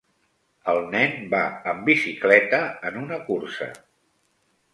El nen va en bicicleta en una cursa.